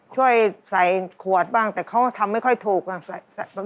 ช่วยใส่ขวดบ้างแต่เขาก็ทำไม่ค่อยถูกอ่ะ